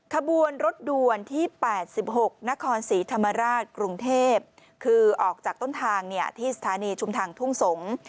ขบวนรถด่วนที่๘๖นครศรีธรรมราชกรุงเทพคือออกจากต้นทางที่สถานีชุมทางทุ่งสงศ์